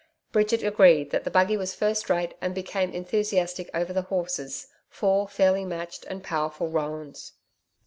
Bridget agreed that the buggy was first rate and became enthusiastic over the horses, four fairly matched and powerful roans.